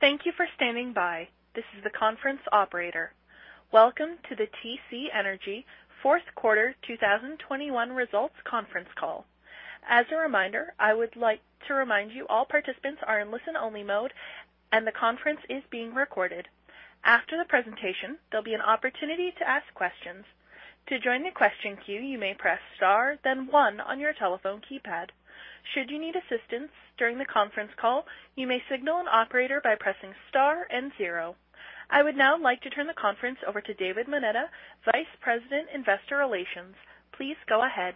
Thank you for standing by. This is the conference operator. Welcome to the TC Energy fourth quarter 2021 results conference call. As a reminder, I would like to remind you that all participants are in listen-only mode and the conference is being recorded. After the presentation, there'll be an opportunity to ask questions. To join the question queue, you may press Star, then 1 on your telephone keypad. Should you need assistance during the conference call, you may signal an operator by pressing Star and zero. I would now like to turn the conference over to David Moneta, Vice President, Investor Relations. Please go ahead.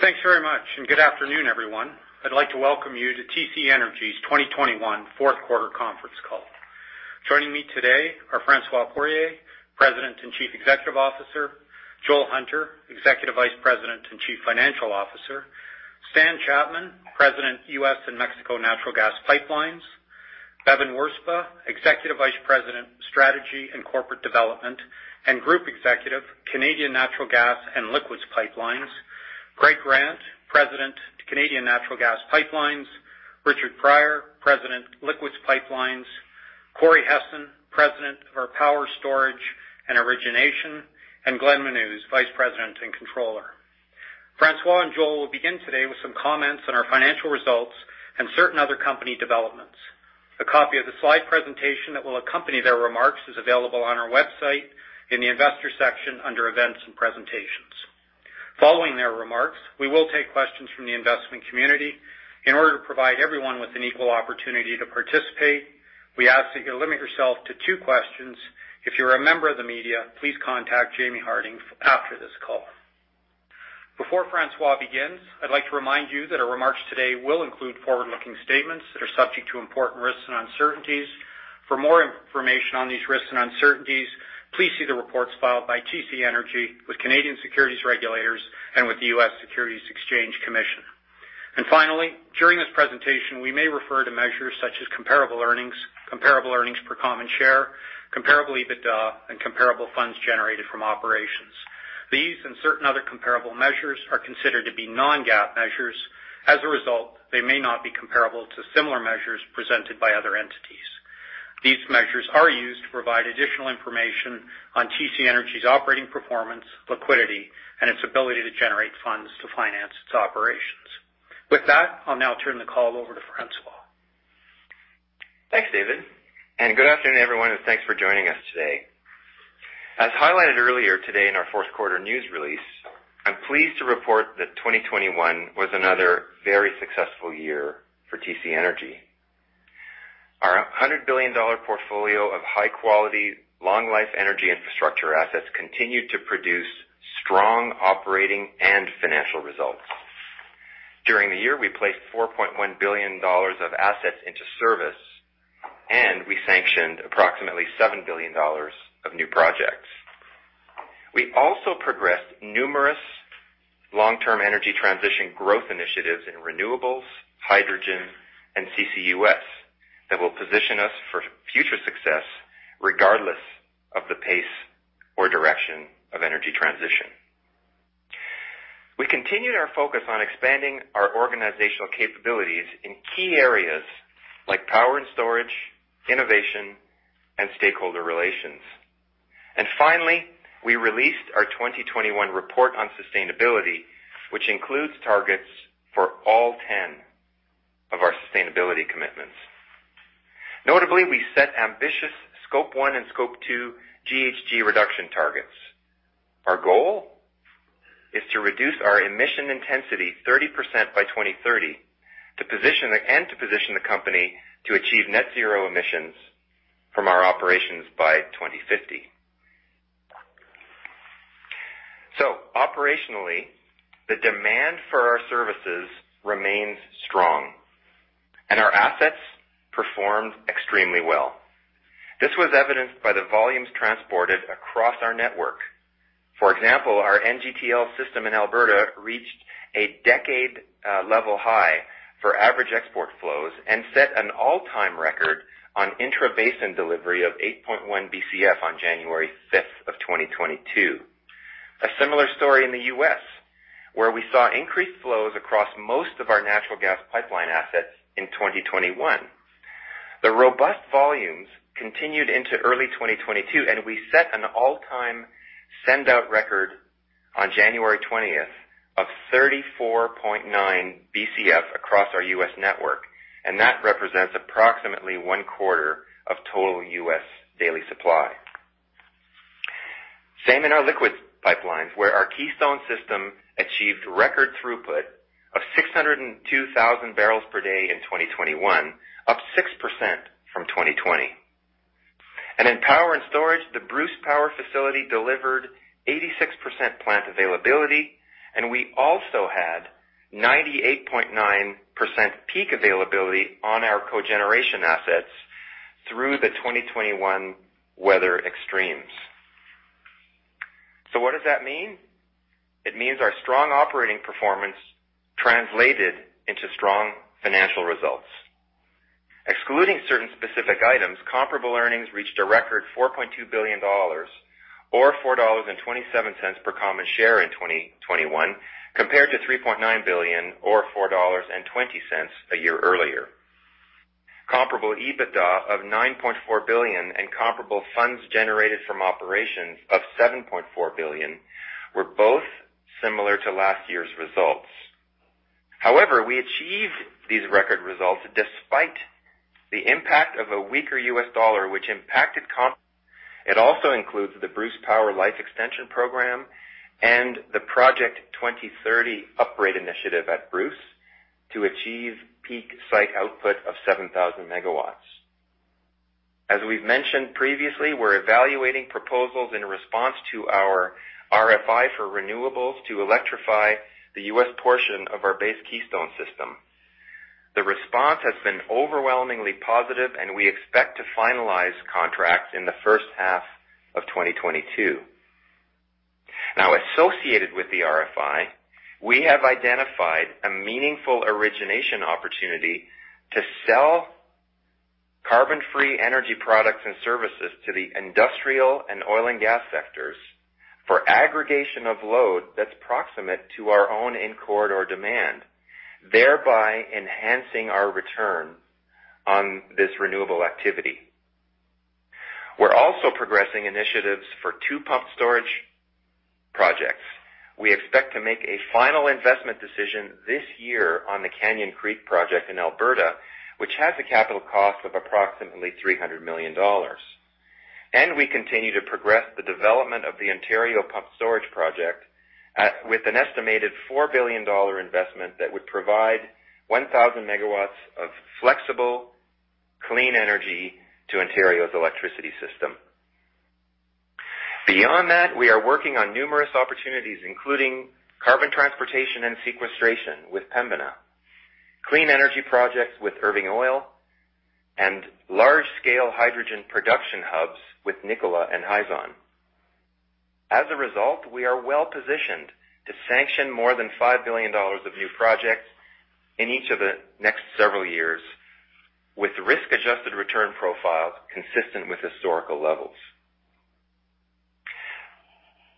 Thanks very much and good afternoon, everyone. I'd like to welcome you to TC Energy's 2021 fourth quarter conference call. Joining me today are François Poirier, President and Chief Executive Officer, Joel Hunter, Executive Vice President and Chief Financial Officer, Stan Chapman, President, U.S. and Mexico Natural Gas Pipelines, Bevin Wirzba, Executive Vice President, Strategy and Corporate Development and Group Executive, Canadian Natural Gas and Liquids Pipelines, Greg Grant, President, Canadian Natural Gas Pipelines, Richard Pryor, President, Liquids Pipelines, Corey Hessen, President of our Power Storage and Origination, and Glenn Menuz, Vice President and Controller. François and Joel will begin today with some comments on our financial results and certain other company developments. A copy of the slide presentation that will accompany their remarks is available on our website in the Investors section under Events and Presentations. Following their remarks, we will take questions from the investment community. In order to provide everyone with an equal opportunity to participate, we ask that you limit yourself to two questions. If you're a member of the media, please contact Jaimie Harding after this call. Before François begins, I'd like to remind you that our remarks today will include forward-looking statements that are subject to important risks and uncertainties. For more information on these risks and uncertainties, please see the reports filed by TC Energy with Canadian securities regulators and with the U.S. Securities and Exchange Commission. Finally, during this presentation, we may refer to measures such as comparable earnings, comparable earnings per common share, comparable EBITDA, and comparable funds generated from operations. These and certain other comparable measures are considered to be non-GAAP measures. As a result, they may not be comparable to similar measures presented by other entities. These measures are used to provide additional information on TC Energy's operating performance, liquidity, and its ability to generate funds to finance its operations. With that, I'll now turn the call over to François. Thanks, David, and good afternoon, everyone, and thanks for joining us today. As highlighted earlier today in our fourth quarter news release, I'm pleased to report that 2021 was another very successful year for TC Energy. Our 100 billion-dollar portfolio of high-quality, long-life energy infrastructure assets continued to produce strong operating and financial results. During the year, we placed 4.1 billion dollars of assets into service, and we sanctioned approximately 7 billion dollars of new projects. We also progressed numerous long-term energy transition growth initiatives in renewables, hydrogen, and CCUS that will position us for future success regardless of the pace or direction of energy transition. We continued our focus on expanding our organizational capabilities in key areas like power and storage, innovation, and stakeholder relations. Finally, we released our 2021 report on sustainability, which includes targets for all 10 of our sustainability commitments. Notably, we set ambitious Scope 1 and Scope 2 GHG reduction targets. Our goal is to reduce our emission intensity 30% by 2030 to position the company to achieve net zero emissions from our operations by 2050. Operationally, the demand for our services remains strong, and our assets performed extremely well. This was evidenced by the volumes transported across our network. For example, our NGTL System in Alberta reached a decade-level high for average export flows and set an all-time record on intrabasin delivery of 8.1 BCF on January 5, 2022. A similar story in the U.S., where we saw increased flows across most of our natural gas pipeline assets in 2021. The robust volumes continued into early 2022, and we set an all-time send-out record on January 20 of 34.9 BCF across our U.S. network, and that represents approximately one-quarter of total U.S. daily supply. Same in our liquids pipelines, where our Keystone System achieved record throughput of 602,000 barrels per day in 2021, up 6% from 2020. In power and storage, the Bruce Power facility delivered 86% plant availability, and we also had 98.9% peak availability on our cogeneration assets through the 2021 weather extremes. What does that mean? It means our strong operating performance translated into strong financial results. Excluding certain specific items, comparable earnings reached a record 4.2 billion dollars or 4.27 dollars per common share in 2021, compared to 3.9 billion or 4.20 dollars a year earlier. Comparable EBITDA of 9.4 billion and comparable funds generated from operations of 7.4 billion were both similar to last year's results. However, we achieved these record results despite the impact of a weaker U.S. dollar, which impacted comp. It also includes the Bruce Power Life Extension program and the Project 2030 upgrade initiative at Bruce to achieve peak site output of 7,000 MW. As we've mentioned previously, we're evaluating proposals in response to our RFI for renewables to electrify the U.S. portion of our base Keystone System. The response has been overwhelmingly positive, and we expect to finalize contracts in the first half of 2022. Now, associated with the RFI, we have identified a meaningful origination opportunity to sell carbon-free energy products and services to the industrial and oil and gas sectors for aggregation of load that's proximate to our own in corridor demand, thereby enhancing our return on this renewable activity. We're also progressing initiatives for two pumped-storage projects. We expect to make a final investment decision this year on the Canyon Creek project in Alberta, which has a capital cost of approximately 300 million dollars. We continue to progress the development of the Ontario Pumped Storage Project, with an estimated 4 billion dollar investment that would provide 1,000 MW of flexible, clean energy to Ontario's electricity system. Beyond that, we are working on numerous opportunities, including carbon transportation and sequestration with Pembina, clean energy projects with Irving Oil, and large-scale hydrogen production hubs with Nikola and Hyzon. As a result, we are well-positioned to sanction more than 5 billion dollars of new projects in each of the next several years with risk-adjusted return profiles consistent with historical levels.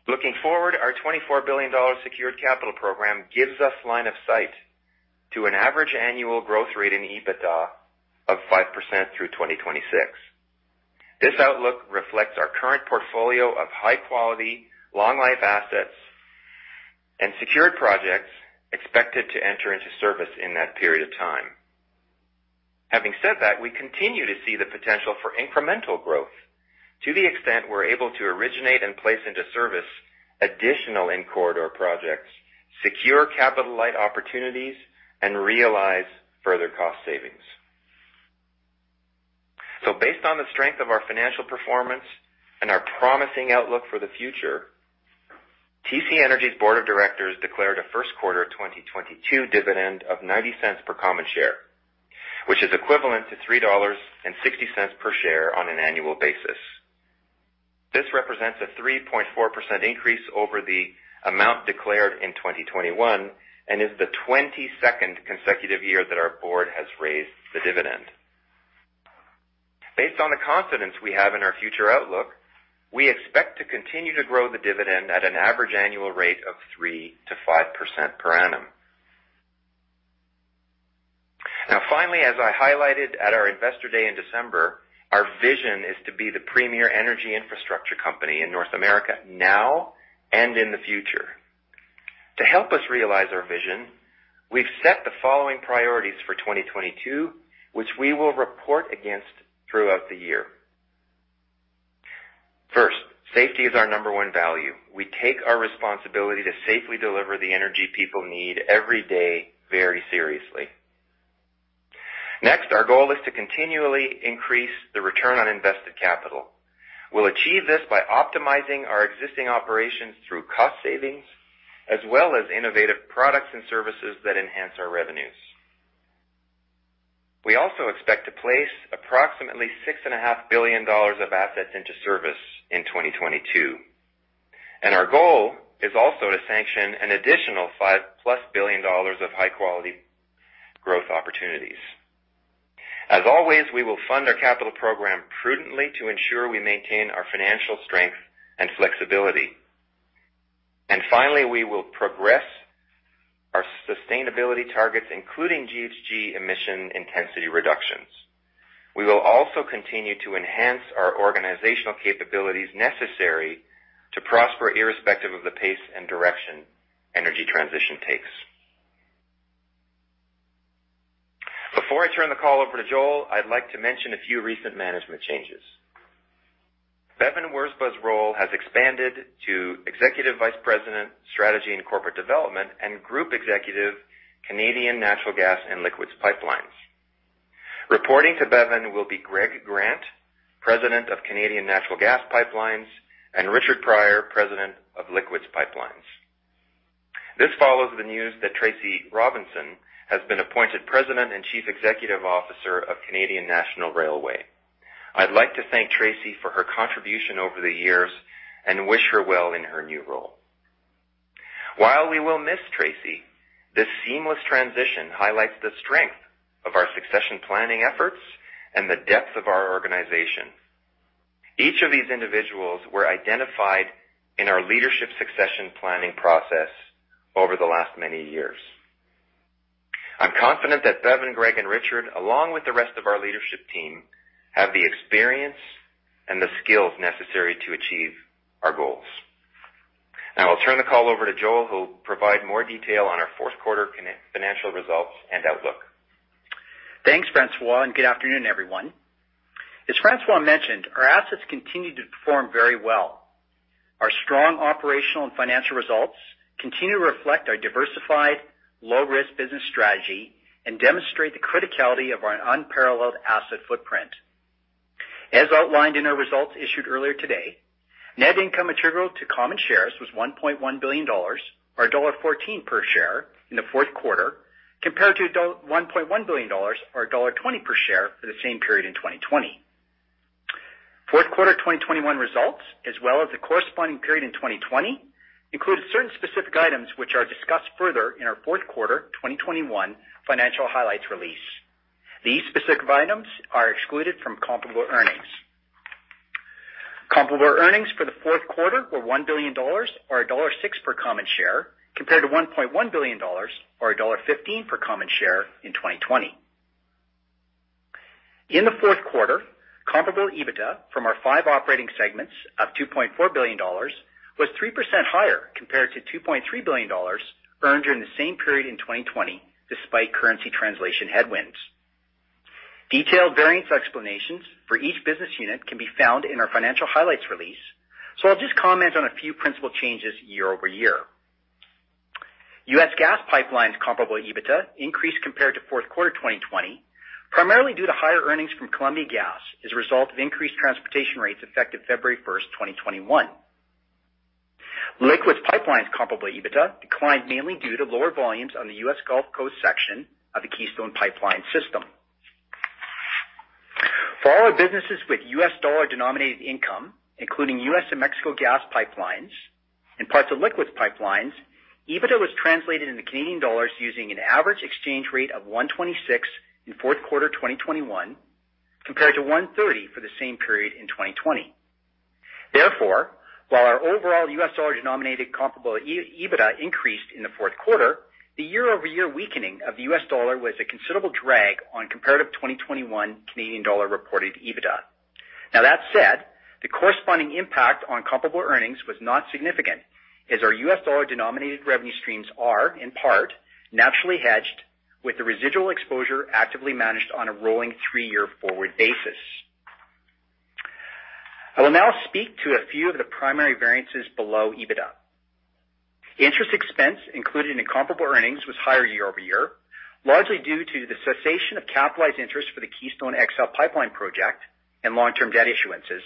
Looking forward, our 24 billion dollars secured capital program gives us line of sight to an average annual growth rate in EBITDA of 5% through 2026. This outlook reflects our current portfolio of high-quality, long-life assets and secured projects expected to enter into service in that period of time. Having said that, we continue to see the potential for incremental growth to the extent we're able to originate and place into service additional in-corridor projects, secure capital-light opportunities, and realize further cost savings. Based on the strength of our financial performance and our promising outlook for the future, TC Energy's board of directors declared a first quarter of 2022 dividend of 0.90 per common share, which is equivalent to CAD 3.60 per share on an annual basis. This represents a 3.4% increase over the amount declared in 2021 and is the 22nd consecutive year that our board has raised the dividend. Based on the confidence we have in our future outlook, we expect to continue to grow the dividend at an average annual rate of 3%-5% per annum. Now, finally, as I highlighted at our Investor Day in December, our vision is to be the premier energy infrastructure company in North America now and in the future. To help us realize our vision, we've set the following priorities for 2022, which we will report against throughout the year. First, safety is our number one value. We take our responsibility to safely deliver the energy people need every day very seriously. Next, our goal is to continually increase the return on invested capital. We'll achieve this by optimizing our existing operations through cost savings as well as innovative products and services that enhance our revenues. We also expect to place approximately 6.5 billion dollars of assets into service in 2022, and our goal is also to sanction an additional 5+ billion dollars of high-quality growth opportunities. As always, we will fund our capital program prudently to ensure we maintain our financial strength and flexibility. Finally, we will progress our sustainability targets, including GHG emission intensity reductions. We will also continue to enhance our organizational capabilities necessary to prosper irrespective of the pace and direction energy transition takes. Before I turn the call over to Joel, I'd like to mention a few recent management changes. Bevin Wirzba's role has expanded to Executive Vice President, Strategy and Corporate Development, and Group Executive, Canadian Natural Gas and Liquids Pipelines. Reporting to Bevin will be Greg Grant, President of Canadian Natural Gas Pipelines, and Richard Pryor, President of Liquids Pipelines. This follows the news that Tracy Robinson has been appointed President and Chief Executive Officer of Canadian National Railway. I'd like to thank Tracy for her contribution over the years and wish her well in her new role. While we will miss Tracy, this seamless transition highlights the strength of our succession planning efforts and the depth of our organization. Each of these individuals were identified in our leadership succession planning process over the last many years. I'm confident that Bev and Greg and Richard, along with the rest of our leadership team, have the experience and the skills necessary to achieve our goals. Now I'll turn the call over to Joel, who will provide more detail on our fourth quarter financial results and outlook. Thanks, François, and good afternoon, everyone. As François mentioned, our assets continued to perform very well. Our strong operational and financial results continue to reflect our diversified, low-risk business strategy and demonstrate the criticality of our unparalleled asset footprint. As outlined in our results issued earlier today, net income attributable to common shares was 1.1 billion dollars, or dollar 1.14 per share in the fourth quarter, compared to 1.1 billion dollars or dollar 1.20 per share for the same period in 2020. Fourth quarter 2021 results, as well as the corresponding period in 2020, included certain specific items which are discussed further in our fourth quarter 2021 financial highlights release. These specific items are excluded from comparable earnings. Comparable earnings for the fourth quarter were 1 billion dollars or dollar 1.06 per common share, compared to 1.1 billion dollars or dollar 1.15 per common share in 2020. In the fourth quarter, comparable EBITDA from our five operating segments of 2.4 billion dollars was 3% higher compared to 2.3 billion dollars earned during the same period in 2020, despite currency translation headwinds. Detailed variance explanations for each business unit can be found in our financial highlights release, so I'll just comment on a few principal changes year-over-year. U.S. Gas Pipelines comparable EBITDA increased compared to fourth quarter 2020, primarily due to higher earnings from Columbia Gas as a result of increased transportation rates effective February 1, 2021. Liquids Pipelines comparable EBITDA declined mainly due to lower volumes on the U.S. Gulf Coast section of the Keystone Pipeline System. For all our businesses with U.S. dollar-denominated income, including U.S. and Mexico Gas Pipelines and parts of Liquids Pipelines, EBITDA was translated into Canadian dollars using an average exchange rate of 1.26 in fourth quarter 2021, compared to 1.30 for the same period in 2020. Therefore, while our overall U.S. dollar-denominated comparable EBITDA increased in the fourth quarter, the year-over-year weakening of the U.S. dollar was a considerable drag on comparative 2021 Canadian dollar-reported EBITDA. Now that said, the corresponding impact on comparable earnings was not significant as our U.S. dollar-denominated revenue streams are, in part, naturally hedged with the residual exposure actively managed on a rolling three-year forward basis. I will now speak to a few of the primary variances below EBITDA. Interest expense included in comparable earnings was higher year-over-year, largely due to the cessation of capitalized interest for the Keystone XL Pipeline project and long-term debt issuances,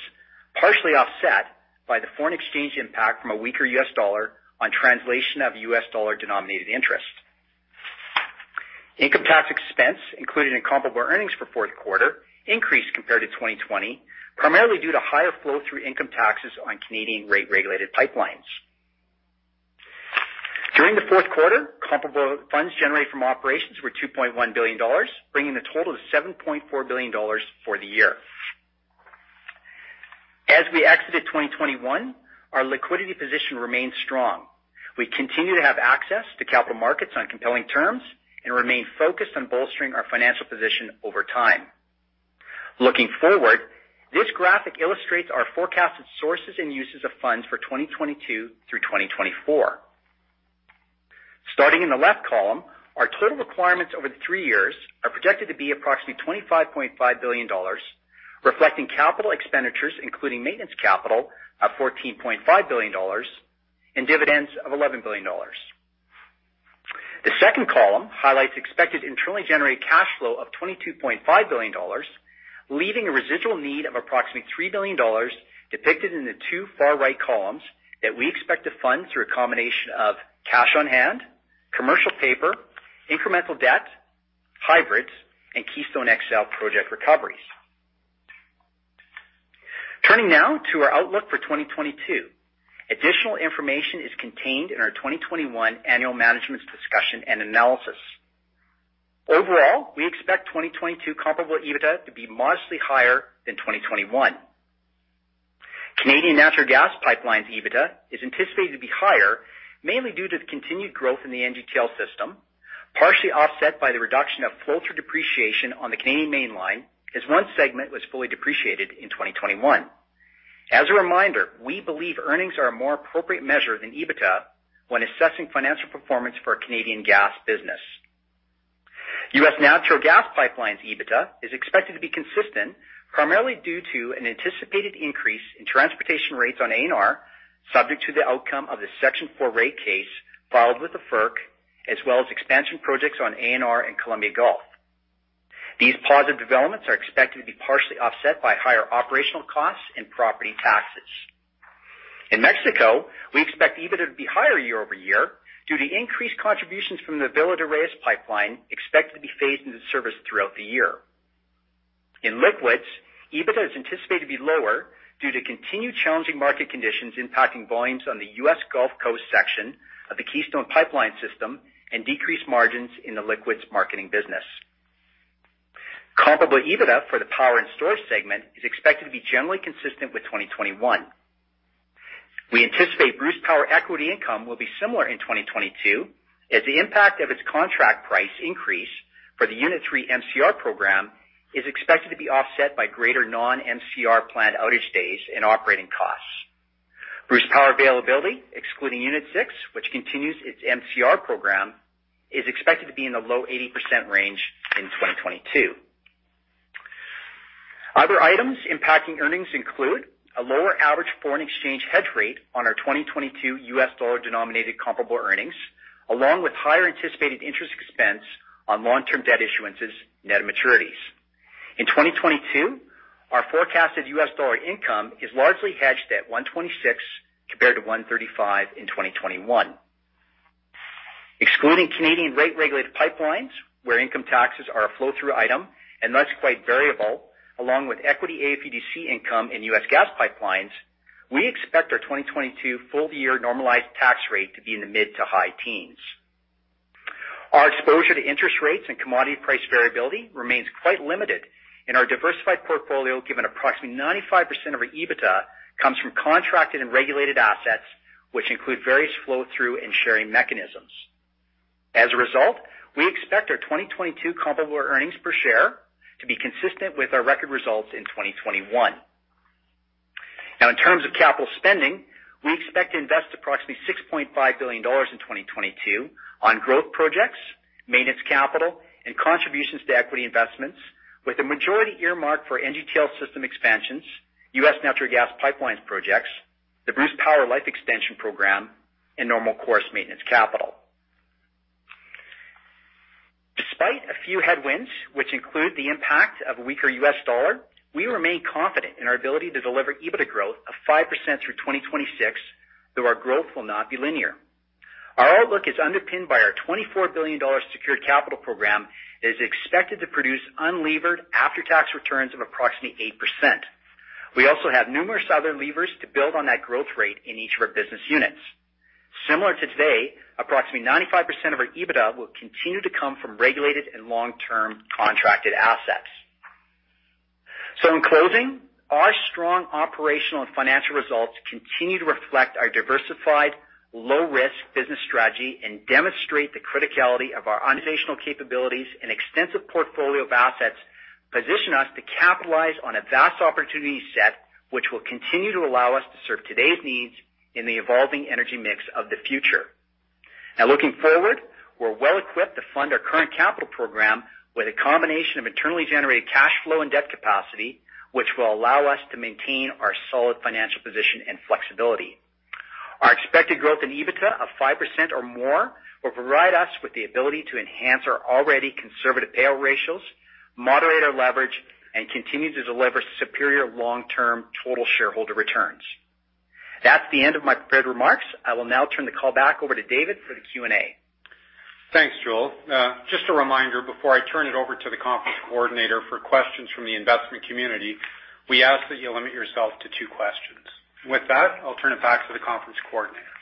partially offset by the foreign exchange impact from a weaker U.S. dollar on translation of U.S. dollar-denominated interest. Income tax expense included in comparable earnings for fourth quarter increased compared to 2020, primarily due to higher flow-through income taxes on Canadian rate-regulated pipelines. During the fourth quarter, comparable funds generated from operations were 2.1 billion dollars, bringing the total to 7.4 billion dollars for the year. As we exited 2021, our liquidity position remains strong. We continue to have access to capital markets on compelling terms and remain focused on bolstering our financial position over time. Looking forward, this graphic illustrates our forecasted sources and uses of funds for 2022 through 2024. Starting in the left column, our total requirements over the three years are projected to be approximately 25.5 billion dollars, reflecting capital expenditures including maintenance capital of 14.5 billion dollars and dividends of 11 billion dollars. The second column highlights expected internally generated cash flow of 22.5 billion dollars, leaving a residual need of approximately 3 billion dollars depicted in the two far-right columns that we expect to fund through a combination of cash on hand, commercial paper, incremental debt, hybrids, and Keystone XL project recoveries. Turning now to our outlook for 2022. Additional information is contained in our 2021 annual management's discussion and analysis. Overall, we expect 2022 comparable EBITDA to be modestly higher than 2021. Canadian Natural Gas Pipelines EBITDA is anticipated to be higher, mainly due to the continued growth in the NGTL System, partially offset by the reduction of flow-through depreciation on the Canadian Mainline as one segment was fully depreciated in 2021. As a reminder, we believe earnings are a more appropriate measure than EBITDA when assessing financial performance for our Canadian gas business. U.S. Natural Gas Pipelines EBITDA is expected to be consistent, primarily due to an anticipated increase in transportation rates on ANR, subject to the outcome of the Section 4 rate case filed with the FERC, as well as expansion projects on ANR and Columbia Gulf. These positive developments are expected to be partially offset by higher operational costs and property taxes. In Mexico, we expect EBITDA to be higher year-over-year due to increased contributions from the Villa de Reyes pipeline, expected to be phased into service throughout the year. In Liquids, EBITDA is anticipated to be lower due to continued challenging market conditions impacting volumes on the U.S. Gulf Coast section of the Keystone Pipeline System and decreased margins in the liquids marketing business. Comparable EBITDA for the Power and Storage segment is expected to be generally consistent with 2021. We anticipate Bruce Power equity income will be similar in 2022 as the impact of its contract price increase for the Unit Three MCR program is expected to be offset by greater non-MCR plant outage days and operating costs. Bruce Power availability, excluding Unit Six, which continues its MCR program, is expected to be in the low 80% range in 2022. Other items impacting earnings include a lower average foreign exchange hedge rate on our 2022 U.S. dollar-denominated comparable earnings, along with higher anticipated interest expense on long-term debt issuances, net of maturities. In 2022, our forecasted U.S. dollar income is largely hedged at 1.26 compared to 1.35 in 2021. Excluding Canadian rate-regulated pipelines where income taxes are a flow-through item and thus quite variable, along with equity AFUDC income in U.S. gas pipelines, we expect our 2022 full-year normalized tax rate to be in the mid-to-high teens. Our exposure to interest rates and commodity price variability remains quite limited in our diversified portfolio given approximately 95% of our EBITDA comes from contracted and regulated assets, which include various flow-through and sharing mechanisms. As a result, we expect our 2022 comparable earnings per share to be consistent with our record results in 2021. Now in terms of capital spending, we expect to invest approximately 6.5 billion dollars in 2022 on growth projects, maintenance capital, and contributions to equity investments, with the majority earmarked for NGTL System expansions, U.S. natural gas pipelines projects, the Bruce Power life extension program, and normal course maintenance capital. Despite a few headwinds, which include the impact of a weaker U.S. dollar, we remain confident in our ability to deliver EBITDA growth of 5% through 2026, though our growth will not be linear. Our outlook is underpinned by our 24 billion dollars secured capital program and is expected to produce unlevered after-tax returns of approximately 8%. We also have numerous other levers to build on that growth rate in each of our business units. Similar to today, approximately 95% of our EBITDA will continue to come from regulated and long-term contracted assets. In closing, our strong operational and financial results continue to reflect our diversified low-risk business strategy and demonstrate the criticality of our organizational capabilities and extensive portfolio of assets, position us to capitalize on a vast opportunity set, which will continue to allow us to serve today's needs in the evolving energy mix of the future. Now looking forward, we're well-equipped to fund our current capital program with a combination of internally generated cash flow and debt capacity, which will allow us to maintain our solid financial position and flexibility. Our expected growth in EBITDA of 5% or more will provide us with the ability to enhance our already conservative payout ratios, moderate our leverage, and continue to deliver superior long-term total shareholder returns. That's the end of my prepared remarks. I will now turn the call back over to David for the Q&A. Thanks, Joel. Just a reminder before I turn it over to the conference coordinator for questions from the investment community, we ask that you limit yourself to two questions. With that, I'll turn it back to the conference coordinator.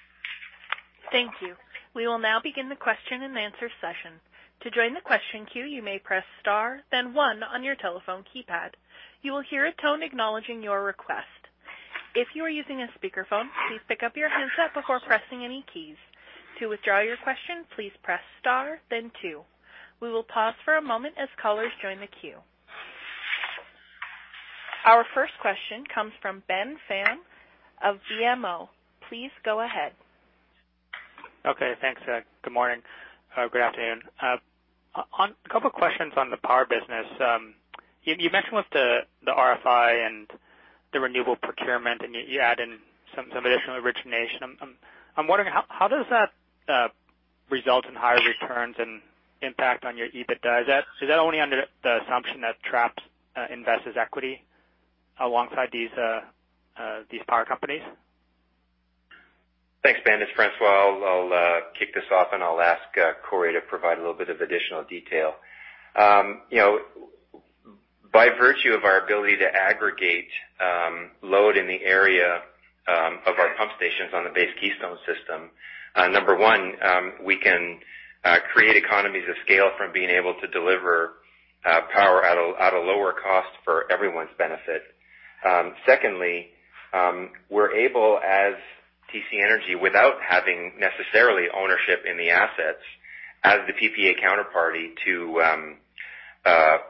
Thank you. We will now begin the question-and-answer session. To join the question queue, you may press star then one on your telephone keypad. You will hear a tone acknowledging your request. If you are using a speakerphone, please pick up your handset before pressing any keys. To withdraw your question, please press star then two. We will pause for a moment as callers join the queue. Our first question comes from Ben Pham of BMO. Please go ahead. Okay, thanks. Good morning. Good afternoon. On a couple of questions on the power business. You mentioned with the RFI and the renewable procurement, and you add in some additional origination. I'm wondering how does that result in higher returns and impact on your EBITDA? Is that only under the assumption that TC invests its equity alongside these power companies? Thanks, Ben. It's François. I'll kick this off, and I'll ask Corey to provide a little bit of additional detail. You know, by virtue of our ability to aggregate load in the area of our pump stations on the base Keystone System, number one, we can create economies of scale from being able to deliver power at a lower cost for everyone's benefit. Secondly, we're able as TC Energy, without having necessarily ownership in the assets as the PPA counterparty, to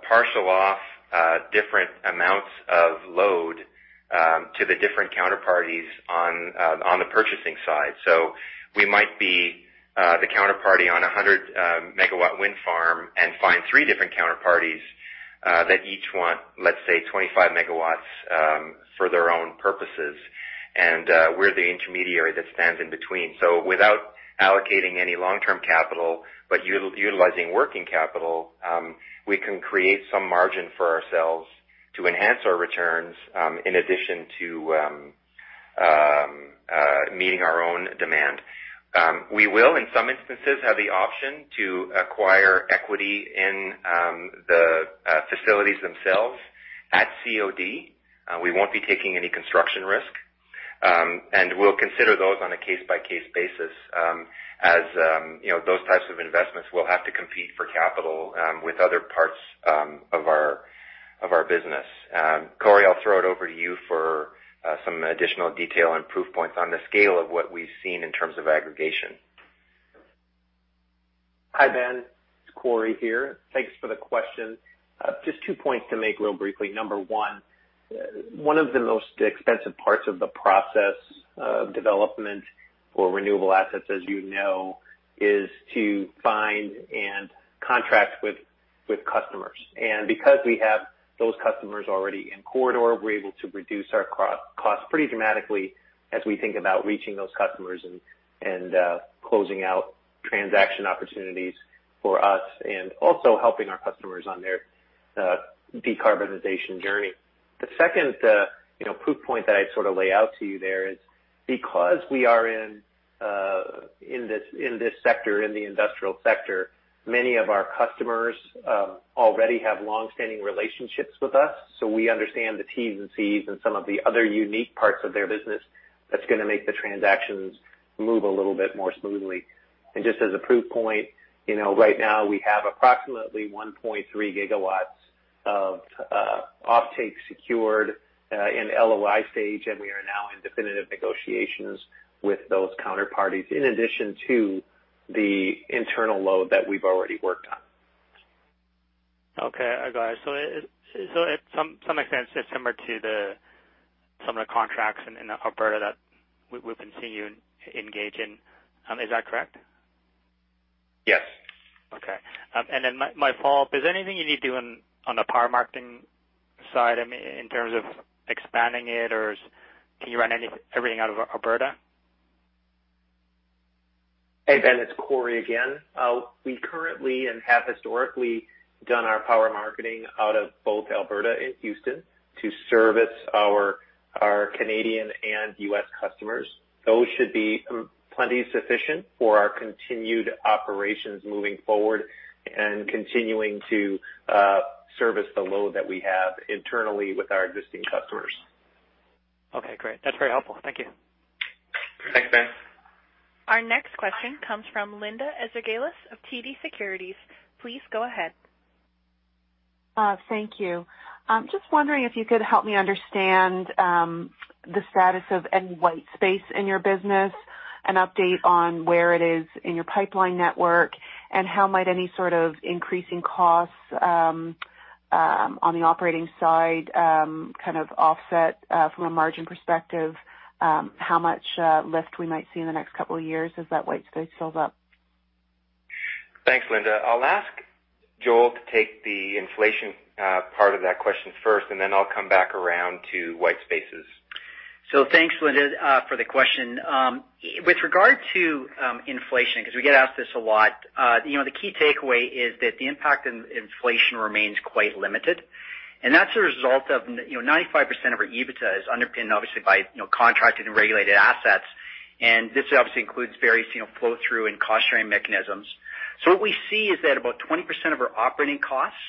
parcel off different amounts of load to the different counterparties on the purchasing side. We might be the counterparty on a 100-MW wind farm and find three different counterparties that each want, let's say, 25 MW for their own purposes. We're the intermediary that stands in between. Without allocating any long-term capital, but utilizing working capital, we can create some margin for ourselves to enhance our returns, in addition to meeting our own demand. We will in some instances have the option to acquire equity in the facilities themselves at COD. We won't be taking any construction risk. We'll consider those on a case-by-case basis, as you know, those types of investments will have to compete for capital with other parts of our business. Corey, I'll throw it over to you for some additional detail and proof points on the scale of what we've seen in terms of aggregation. Hi, Ben, it's Corey here. Thanks for the question. Just two points to make real briefly. Number one of the most expensive parts of the process of development for renewable assets, as you know, is to find and contract with customers. Because we have those customers already in corridor, we're able to reduce our cost pretty dramatically as we think about reaching those customers and closing out transaction opportunities for us and also helping our customers on their decarbonization journey. The second, you know, proof point that I sort of lay out to you there is because we are in this sector, in the industrial sector, many of our customers already have long-standing relationships with us, so we understand the T's and C's and some of the other unique parts of their business that's gonna make the transactions move a little bit more smoothly. Just as a proof point, you know, right now we have approximately 1.3 GW of offtake secured in LOI stage, and we are now in definitive negotiations with those counterparties, in addition to the internal load that we've already worked on. Okay, I got it. Is it to some extent similar to some of the contracts in Alberta that we've been seeing you engage in? Is that correct? Yes. My fault, is there anything you need to do on the power marketing side in terms of expanding it or can you run everything out of Alberta? Hey, Ben, it's Corey again. We currently and have historically done our power marketing out of both Alberta and Houston to service our Canadian and U.S. customers. Those should be plenty sufficient for our continued operations moving forward and continuing to service the load that we have internally with our existing customers. Okay, great. That's very helpful. Thank you. Thanks, Ben. Our next question comes from Linda Ezergailis of TD Securities. Please go ahead. Thank you. I'm just wondering if you could help me understand, the status of any white space in your business, an update on where it is in your pipeline network, and how might any sort of increasing costs, on the operating side, kind of offset, from a margin perspective, how much lift we might see in the next couple of years as that white space fills up. Thanks, Linda. I'll ask Joel to take the inflation, part of that question first, and then I'll come back around to white spaces. Thanks, Linda, for the question. With regard to inflation, 'cause we get asked this a lot, you know, the key takeaway is that the impact in inflation remains quite limited. That's a result of you know, 95% of our EBITDA is underpinned obviously by, you know, contracted and regulated assets. This obviously includes various, you know, flow-through and cost-sharing mechanisms. What we see is that about 20% of our operating costs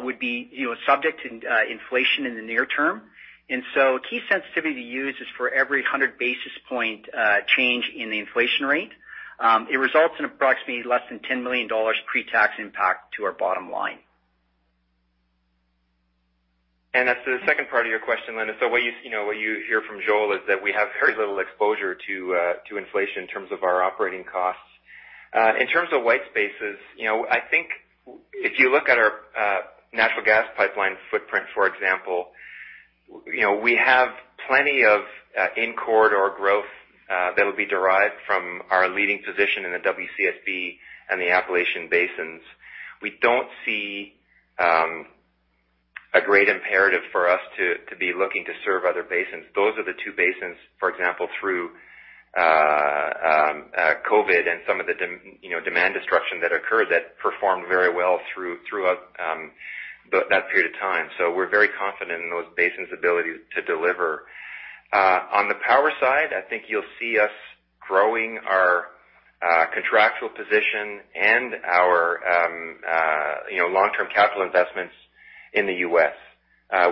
would be, you know, subject to inflation in the near term. A key sensitivity to use is for every 100 basis points change in the inflation rate, it results in approximately less than 10 million dollars pre-tax impact to our bottom line. As to the second part of your question, Linda, what you know, what you hear from Joel is that we have very little exposure to inflation in terms of our operating costs. In terms of white spaces, you know, I think if you look at our natural gas pipeline footprint, for example, you know, we have plenty of in corridor growth that will be derived from our leading position in the WCSB and the Appalachian basins. We don't see a great imperative for us to be looking to serve other basins. Those are the two basins, for example, through COVID and some of the demand destruction that occurred that performed very well throughout that period of time. We're very confident in those basins' ability to deliver. On the power side, I think you'll see us growing our contractual position and our you know long-term capital investments in the U.S.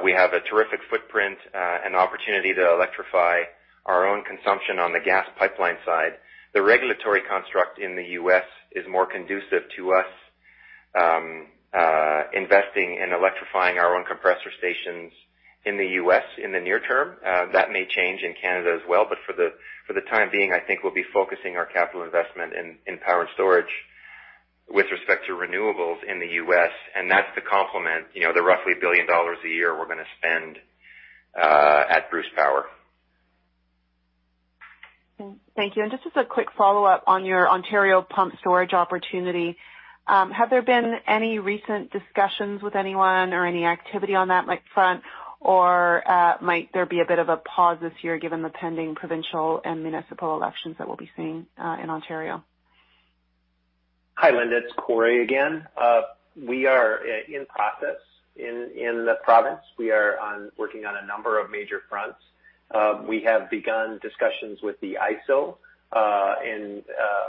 We have a terrific footprint and opportunity to electrify our own consumption on the gas pipeline side. The regulatory construct in the U.S. is more conducive to us investing in electrifying our own compressor stations in the U.S. in the near term. That may change in Canada as well, but for the time being, I think we'll be focusing our capital investment in power and storage with respect to renewables in the U.S. That's to complement you know the roughly 1 billion dollars a year we're gonna spend at Bruce Power. Thank you. Just as a quick follow-up on your Ontario pumped storage opportunity, have there been any recent discussions with anyone or any activity on that like front? Or, might there be a bit of a pause this year given the pending provincial and municipal elections that we'll be seeing in Ontario? Hi, Linda. It's Corey again. We are in process in the province. We are working on a number of major fronts. We have begun discussions with the IESO in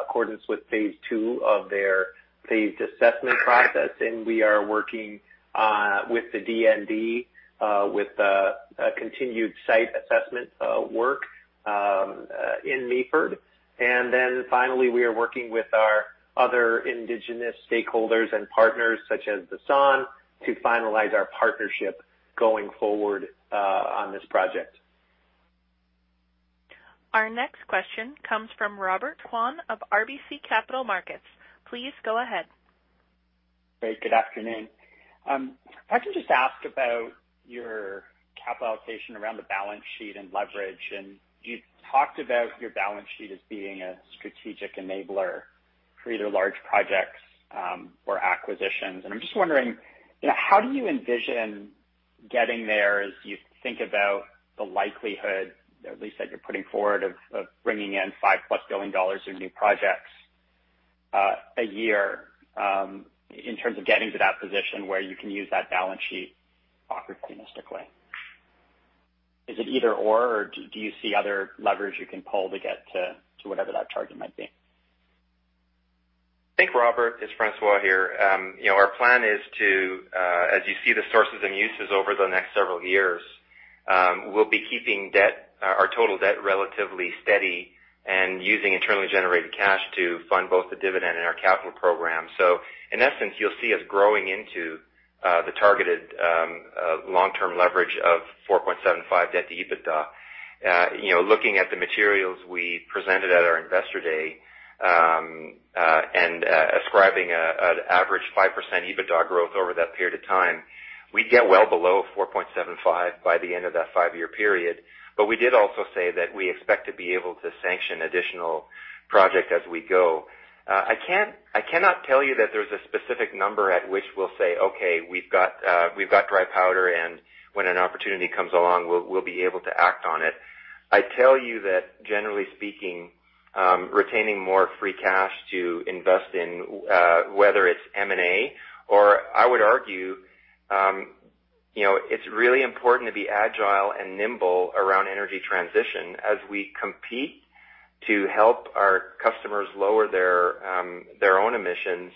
accordance with phase two of their phased assessment process. We are working with the DND with a continued site assessment work. In Meaford. Finally, we are working with our other Indigenous stakeholders and partners such as Saugeen to finalize our partnership going forward, on this project. Our next question comes from Robert Kwan of RBC Capital Markets. Please go ahead. Great. Good afternoon. If I can just ask about your capital allocation around the balance sheet and leverage. You talked about your balance sheet as being a strategic enabler for either large projects or acquisitions. I'm just wondering, you know, how do you envision getting there as you think about the likelihood, at least that you're putting forward, of bringing in 5+ billion dollars in new projects a year, in terms of getting to that position where you can use that balance sheet opportunistically? Is it either/or do you see other levers you can pull to get to whatever that target might be? Thanks, Robert, it's François here. You know, our plan is to, as you see the sources and uses over the next several years, we'll be keeping debt, our total debt relatively steady and using internally generated cash to fund both the dividend and our capital program. In essence, you'll see us growing into the targeted long-term leverage of 4.75x debt to EBITDA. You know, looking at the materials we presented at our investor day, and ascribing an average 5% EBITDA growth over that period of time, we'd get well below 4.75 by the end of that five-year period. We did also say that we expect to be able to sanction additional project as we go. I cannot tell you that there's a specific number at which we'll say, "Okay, we've got dry powder, and when an opportunity comes along, we'll be able to act on it." I tell you that generally speaking, retaining more free cash to invest in, whether it's M&A or I would argue, you know, it's really important to be agile and nimble around energy transition as we compete to help our customers lower their own emissions.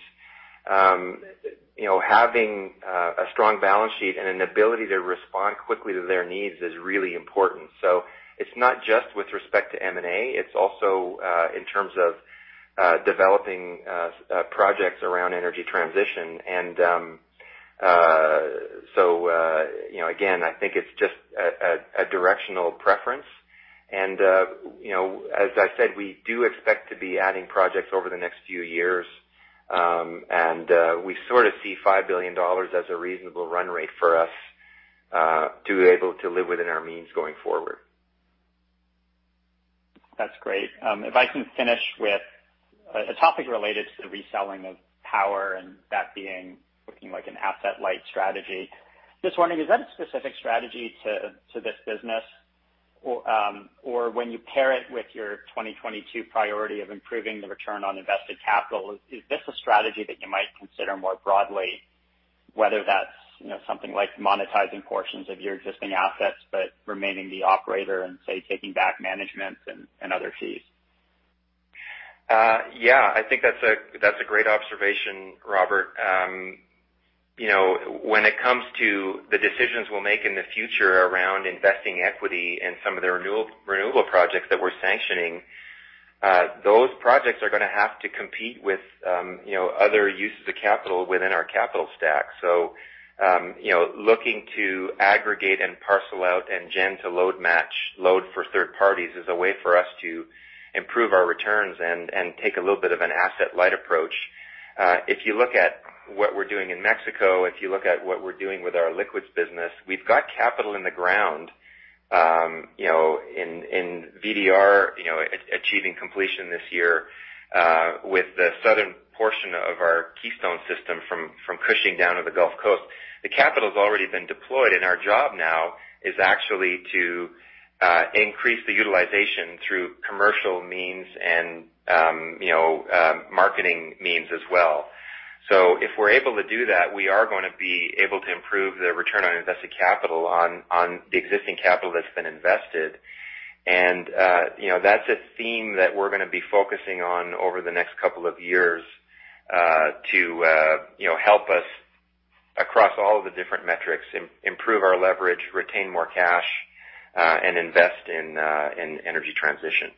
You know, having a strong balance sheet and an ability to respond quickly to their needs is really important. It's not just with respect to M&A, it's also in terms of developing projects around energy transition. You know, again, I think it's just a directional preference. You know, as I said, we do expect to be adding projects over the next few years, and we sort of see 5 billion dollars as a reasonable run rate for us to be able to live within our means going forward. That's great. If I can finish with a topic related to the reselling of power and that being looking like an asset-light strategy. Just wondering, is that a specific strategy to this business? Or, when you pair it with your 2022 priority of improving the return on invested capital, is this a strategy that you might consider more broadly, whether that's, you know, something like monetizing portions of your existing assets, but remaining the operator and, say, taking back management and other fees? Yeah. I think that's a great observation, Robert. You know, when it comes to the decisions we'll make in the future around investing equity in some of the renewable projects that we're sanctioning, those projects are gonna have to compete with, you know, other uses of capital within our capital stack. You know, looking to aggregate and parcel out and gen-to-load match for third parties is a way for us to improve our returns and take a little bit of an asset-light approach. If you look at what we're doing in Mexico, if you look at what we're doing with our liquids business, we've got capital in the ground, you know, in VDR, you know, achieving completion this year, with the southern portion of our Keystone System from Cushing down to the Gulf Coast. The capital's already been deployed, and our job now is actually to increase the utilization through commercial means and, you know, marketing means as well. If we're able to do that, we are gonna be able to improve the return on invested capital on the existing capital that's been invested. You know, that's a theme that we're gonna be focusing on over the next couple of years to you know, help us across all the different metrics, improve our leverage, retain more cash, and invest in energy transition.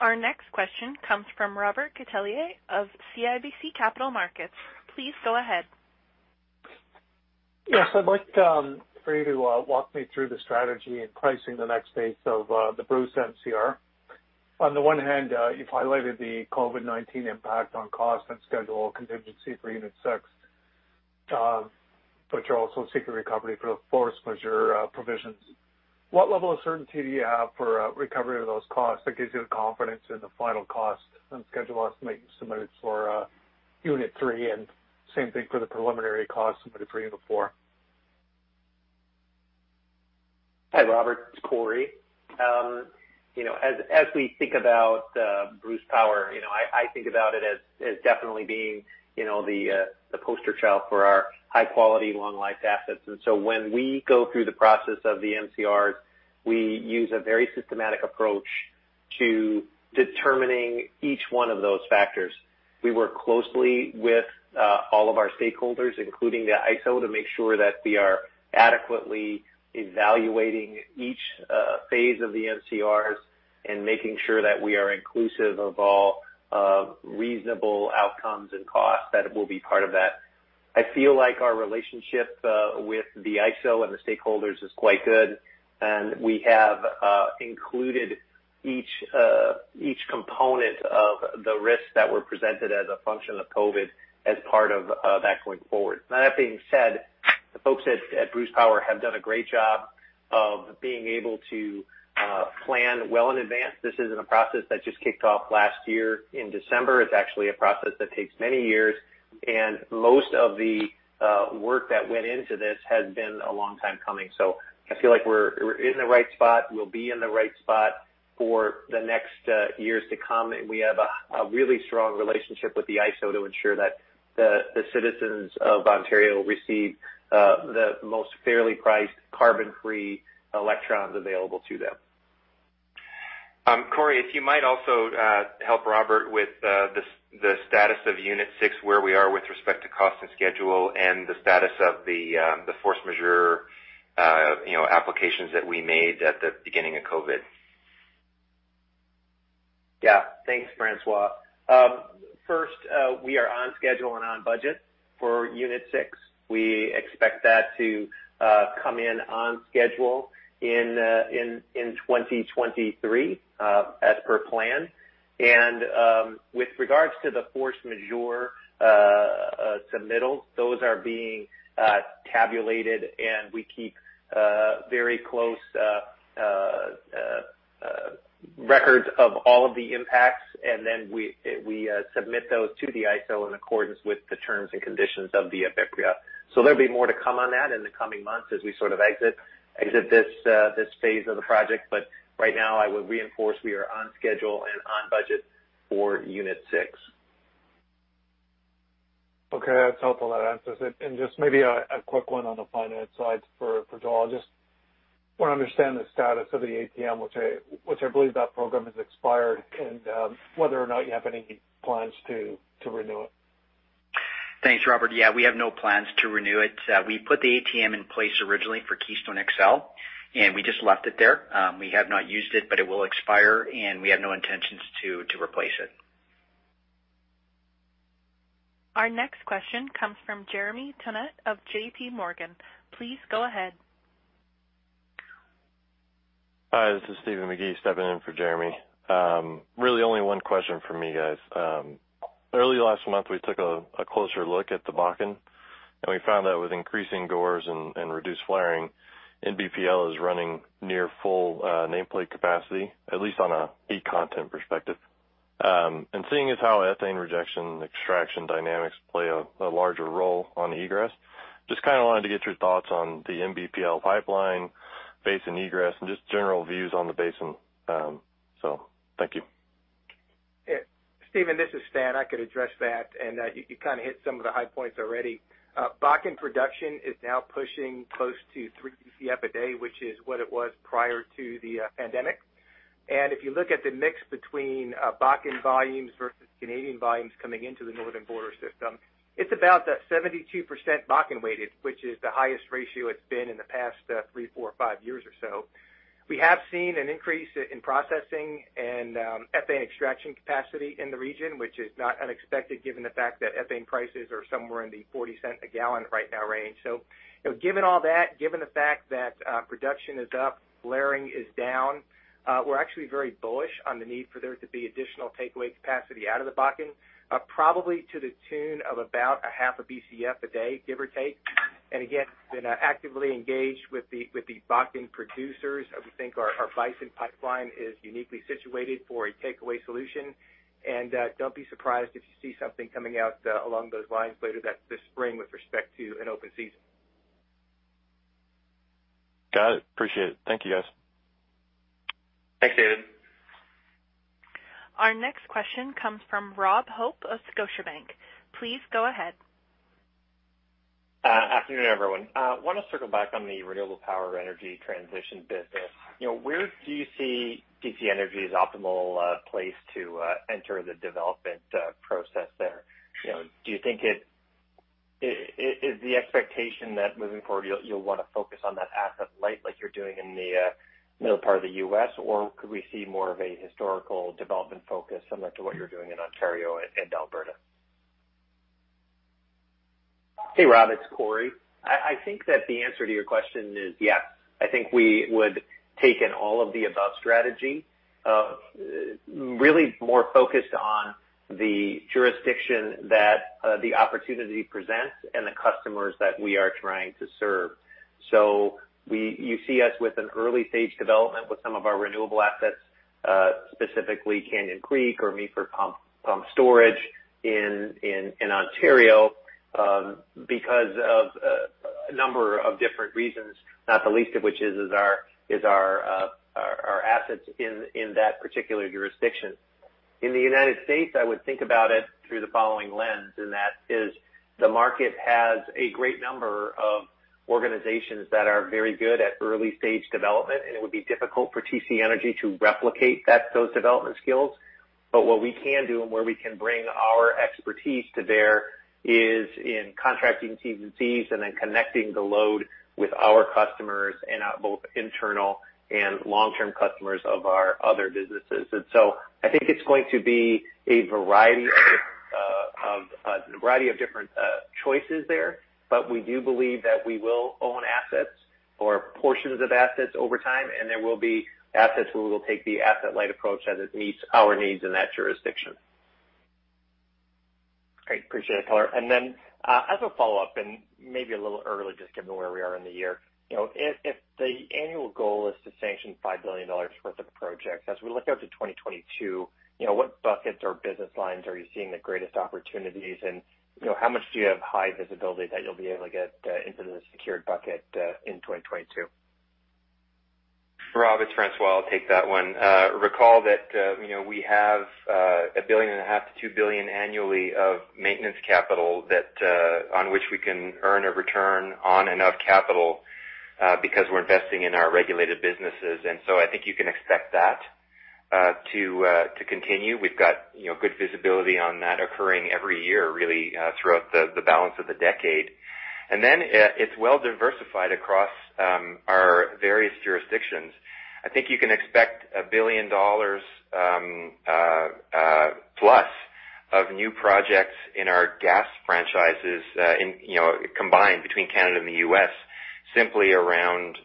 Our next question comes from Robert Catellier of CIBC Capital Markets. Please go ahead. Yes. I'd like for you to walk me through the strategy and pricing the next phase of the Bruce MCR. On the one hand, you've highlighted the COVID-19 impact on cost and schedule contingency for unit six, but you're also seeking recovery for the force majeure provisions. What level of certainty do you have for recovery of those costs that gives you the confidence in the final cost and schedule estimates submitted for unit three? And same thing for the preliminary cost submitted for unit four. Hi, Robert. It's Corey. You know, as we think about Bruce Power, you know, I think about it as definitely being, you know, the poster child for our high-quality, long-life assets. When we go through the process of the MCRs, we use a very systematic approach. In determining each one of those factors. We work closely with all of our stakeholders, including the IESO, to make sure that we are adequately evaluating each phase of the MCRs and making sure that we are inclusive of all reasonable outcomes and costs that will be part of that. I feel like our relationship with the IESO and the stakeholders is quite good, and we have included each component of the risks that were presented as a function of COVID as part of that going forward. Now, that being said, the folks at Bruce Power have done a great job of being able to plan well in advance. This isn't a process that just kicked off last year in December. It's actually a process that takes many years. Most of the work that went into this has been a long time coming. I feel like we're in the right spot. We'll be in the right spot for the next years to come. We have a really strong relationship with the IESO to ensure that the citizens of Ontario receive the most fairly priced carbon-free electrons available to them. Corey, if you might also help Robert with the status of unit, where we are with respect to cost and schedule, and the status of the force majeure, you know, applications that we made at the beginning of COVID. Yeah. Thanks, François. First, we are on schedule and on budget for unit six. We expect that to come in on schedule in 2023, as per plan. With regards to the force majeure submittal, those are being tabulated, and we keep very close records of all of the impacts, and then we submit those to the IESO in accordance with the terms and conditions of the EPICRA. So there'll be more to come on that in the coming months as we sort of exit this phase of the project. Right now, I would reinforce we are on schedule and on budget for unit six. Okay. That's helpful. That answers it. Just maybe a quick one on the finance side for Joel. Just wanna understand the status of the ATM, which I believe that program has expired, and whether or not you have any plans to renew it. Thanks, Robert. Yeah, we have no plans to renew it. We put the ATM in place originally for Keystone XL, and we just left it there. We have not used it, but it will expire, and we have no intentions to replace it. Our next question comes from Jeremy Tonet of JPMorgan. Please go ahead. Hi, this is Stephen McGee stepping in for Jeremy. Really only one question for me, guys. Early last month, we took a closer look at the Bakken, and we found that with increasing GORs and reduced flaring, NBPL is running near full nameplate capacity, at least on a heat content perspective. Seeing as how ethane rejection extraction dynamics play a larger role on egress, just kinda wanted to get your thoughts on the NBPL pipeline basin egress and just general views on the basin. Thank you. Yeah. Stephen, this is Stan. I could address that, and you kind of hit some of the high points already. Bakken production is now pushing close to 3 BCF a day, which is what it was prior to the pandemic. If you look at the mix between Bakken volumes versus Canadian volumes coming into the Northern Border system, it's about that 72% Bakken weighted, which is the highest ratio it's been in the past three, four, five years or so. We have seen an increase in processing and ethane extraction capacity in the region, which is not unexpected given the fact that ethane prices are somewhere in the $0.40-a-gallon range right now. You know, given all that, given the fact that, production is up, flaring is down, we're actually very bullish on the need for there to be additional takeaway capacity out of the Bakken, probably to the tune of about a half a BCF a day, give or take. We've been actively engaged with the Bakken producers. We think our Bison Pipeline is uniquely situated for a takeaway solution. Don't be surprised if you see something coming out along those lines later this spring with respect to an open season. Got it. Appreciate it. Thank you, guys. Thanks, Steven. Our next question comes from Rob Hope of Scotiabank. Please go ahead. Afternoon, everyone. Wanna circle back on the renewable power energy transition business. You know, where do you see TC Energy's optimal place to enter the development process there? You know, do you think it is the expectation that moving forward you'll wanna focus on that asset light like you're doing in the middle part of the U.S., or could we see more of a historical development focus similar to what you're doing in Ontario and Alberta? Hey, Rob, it's Corey. I think that the answer to your question is yes. I think we would take an all-of-the-above strategy, really more focused on the jurisdiction that the opportunity presents and the customers that we are trying to serve. You see us with an early-stage development with some of our renewable assets, specifically Canyon Creek or Meaford Pumped Storage in Ontario, because of a number of different reasons, not the least of which is our assets in that particular jurisdiction. In the United States, I would think about it through the following lens, and that is the market has a great number of organizations that are very good at early-stage development, and it would be difficult for TC Energy to replicate those development skills. What we can do and where we can bring our expertise to bear is in contracting TCs and then connecting the load with our customers and our both internal and long-term customers of our other businesses. I think it's going to be a variety of different choices there. We do believe that we will own assets or portions of assets over time, and there will be assets where we will take the asset-light approach as it meets our needs in that jurisdiction. Great. Appreciate it, Tyler. As a follow-up, and maybe a little early, just given where we are in the year, you know, if the annual goal is to sanction 5 billion dollars worth of projects, as we look out to 2022, you know, what buckets or business lines are you seeing the greatest opportunities? You know, how much do you have high visibility that you'll be able to get into the secured bucket in 2022? Rob, it's François. I'll take that one. Recall that, you know, we have 1.5 billion-2 billion annually of maintenance capital that on which we can earn a return on and of capital because we're investing in our regulated businesses. I think you can expect that to continue. We've got, you know, good visibility on that occurring every year, really, throughout the balance of the decade. It's well diversified across our various jurisdictions. I think you can expect 1 billion dollars plus of new projects in our gas franchises in, you know, combined between Canada and the U.S., simply around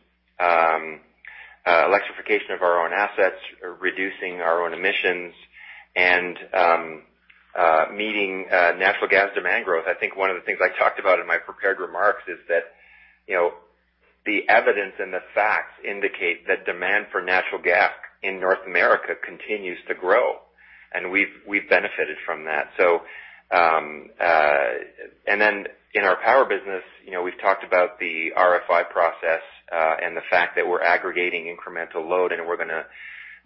electrification of our own assets, reducing our own emissions and meeting natural gas demand growth. I think one of the things I talked about in my prepared remarks is that, you know, the evidence and the facts indicate that demand for natural gas in North America continues to grow, and we've benefited from that. In our Power business, you know, we've talked about the RFI process and the fact that we're aggregating incremental load, and we're gonna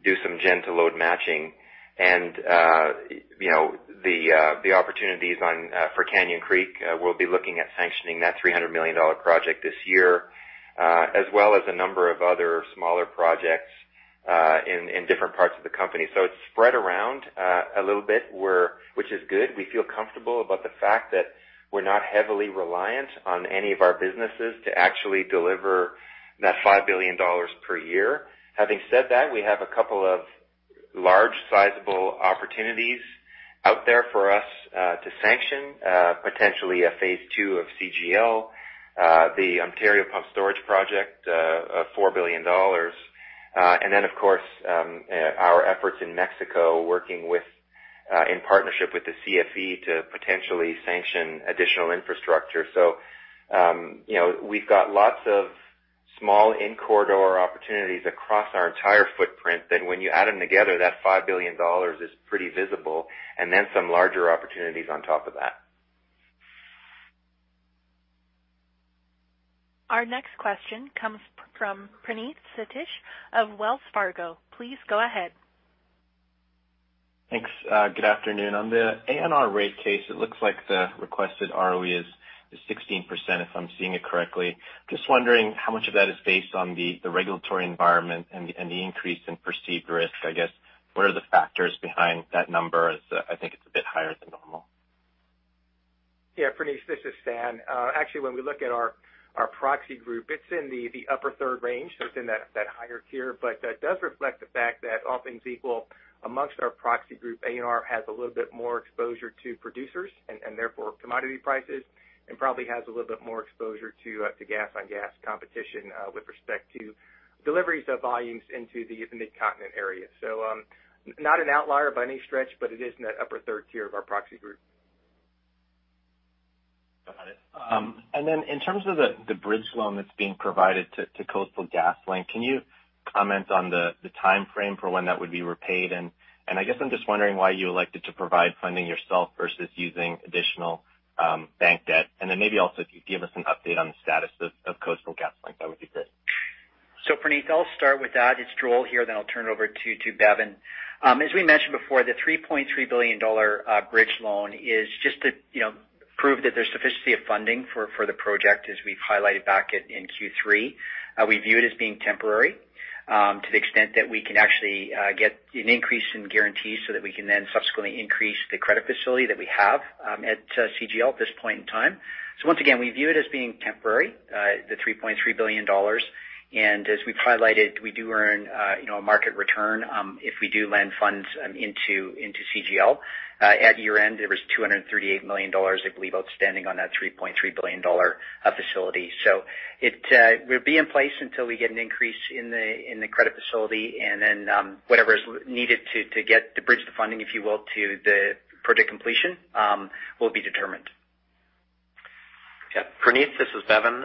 do some gen to load matching. You know, the opportunities for Canyon Creek, we'll be looking at sanctioning that 300 million dollar project this year, as well as a number of other smaller projects in different parts of the company. It's spread around a little bit, which is good. We feel comfortable about the fact that we're not heavily reliant on any of our businesses to actually deliver that 5 billion dollars per year. Having said that, we have a couple of large sizable opportunities out there for us to sanction potentially a phase two of CGL, the Ontario Pumped Storage project of 4 billion dollars. Of course, our efforts in Mexico working with in partnership with the CFE to potentially sanction additional infrastructure. You know, we've got lots of small in corridor opportunities across our entire footprint that when you add them together, that 5 billion dollars is pretty visible, and then some larger opportunities on top of that. Our next question comes from Praneeth Satish of Wells Fargo. Please go ahead. Thanks. Good afternoon. On the ANR rate case, it looks like the requested ROE is 16%, if I'm seeing it correctly. Just wondering how much of that is based on the regulatory environment and the increase in perceived risk. I guess what are the factors behind that number as I think it's a bit higher than normal. Yeah, Praneeth, this is Stan. Actually, when we look at our proxy group, it's in the upper third range, so it's in that higher tier. That does reflect the fact that all things equal among our proxy group, ANR has a little bit more exposure to producers and therefore commodity prices, and probably has a little bit more exposure to gas-on-gas competition with respect to deliveries of volumes into the mid-continent area. Not an outlier by any stretch, but it is in that upper third tier of our proxy group. Got it. In terms of the bridge loan that's being provided to Coastal GasLink, can you comment on the timeframe for when that would be repaid? I guess I'm just wondering why you elected to provide funding yourself versus using additional bank debt. Maybe also if you could give us an update on the status of Coastal GasLink, that would be good. Praneeth, I'll start with that. It's Joel here, then I'll turn it over to Bevin. As we mentioned before, the 3.3 billion dollar bridge loan is just to, you know, prove that there's sufficiency of funding for the project as we've highlighted back in Q3. We view it as being temporary to the extent that we can actually get an increase in guarantees so that we can then subsequently increase the credit facility that we have at CGL at this point in time. Once again, we view it as being temporary, the 3.3 billion dollars. As we've highlighted, we do earn, you know, a market return if we do lend funds into CGL. At year-end, there was 238 million dollars, I believe, outstanding on that 3.3 billion dollar facility. It will be in place until we get an increase in the credit facility and then whatever is needed to get to bridge the funding, if you will, to the project completion will be determined. Yeah. Praneeth, this is Bevin.